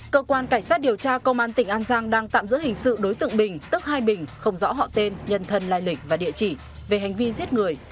cơ quan cảnh sát điều tra công an tỉnh an giang đang tạm giữ hình sự đối tượng bình tức hai bình không rõ họ tên nhân thân lai lịch và địa chỉ về hành vi giết người